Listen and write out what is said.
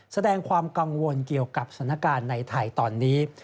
แสดงความกังวลเกี่ยวกับสถานการณ์ในไทยตอนนี้